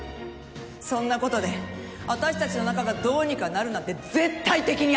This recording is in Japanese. そんなことで私たちの仲がどうにかなるなんて絶対的にありえない！